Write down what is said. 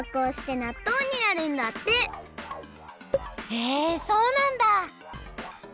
へえそうなんだ。